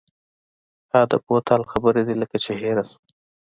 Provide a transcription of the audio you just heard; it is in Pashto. ها د بوتل خبره دې لکه چې هېره شوه.